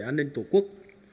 an ninh tổ quốc